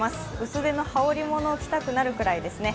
薄手の羽織り物を着たくなるぐらいですね。